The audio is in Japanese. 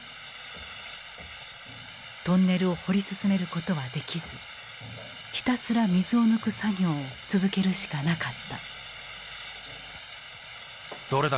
トンネルを掘り進めることはできずひたすら水を抜く作業を続けるしかなかった。